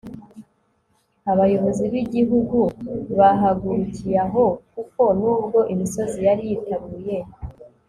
abayobozi b'igihugu bahagurukiye aho, kuko nubwo imisozi yari yitaruye